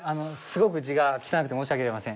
すごく字が汚くて申し訳ありません。